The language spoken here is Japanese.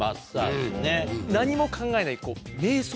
何も考えない。